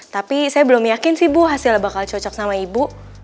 tapi saya belum yakin sih bu hasilnya bakal cocok sama ibu